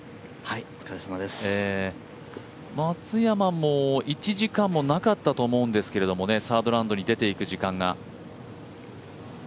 松山も１時間もなかったと思うんですけどね、サードラウンドに出て行く時間が。